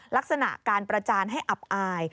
ลักษณะการประจานให้อับอาย